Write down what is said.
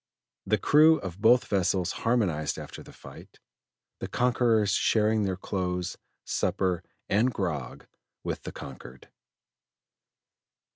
The crew of both vessels harmonized after the fight, the conquerors sharing their clothes, supper, and grog with the conquered.